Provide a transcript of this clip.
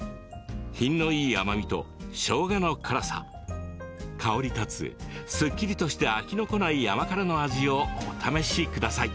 品のいい香りとしょうがの辛さ香り立つ、すっきりとして飽きのこない甘辛の味をお試しください。